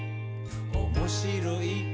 「おもしろい？